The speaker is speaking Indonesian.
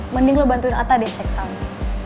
mending lo bantuin atta deh ceksalu